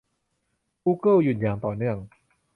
กูเกิลหยุดอย่างต่อเนื่อง